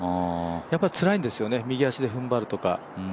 やっぱりつらいんですよね、右足で踏ん張るとか。